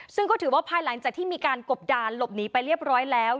ซึ่งก็ถือว่าภายหลังจากที่มีการกบด่านหลบหนีไปเรียบร้อยแล้ว